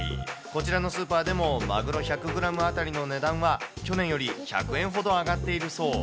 こちらのスーパーでも、まぐろ１００グラム当たりの値段は、去年より１００円ほど上がっているそう。